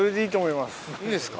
いいですか？